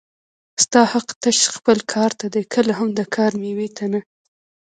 ستا حق تش خپل کار ته دی کله هم د کار مېوې ته نه